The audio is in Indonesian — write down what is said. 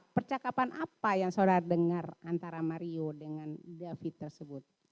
percakapan apa yang saudara dengar antara mario dengan david tersebut